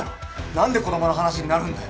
なんで子どもの話になるんだよ！